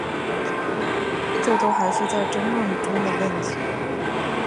这都是还在争论中的问题。